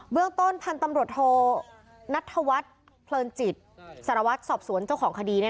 เรื่องต้นพันธุ์ตำรวจโทนัทธวัฒน์เพลินจิตสารวัตรสอบสวนเจ้าของคดี